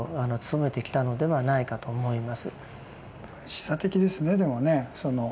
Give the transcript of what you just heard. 示唆的ですねでもね。